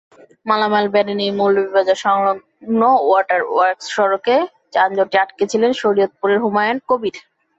মালামাল ভ্যানে নিয়ে মৌলভীবাজার-সংলগ্ন ওয়াটার ওয়ার্কস সড়কে যানজটে আটকে ছিলেন শরীয়তপুরের হুমায়ুন কবির।